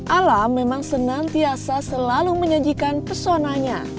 alam memang senantiasa selalu menyajikan pesonanya